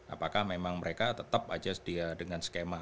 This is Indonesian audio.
apakah memang mereka tetap aja dia dengan skema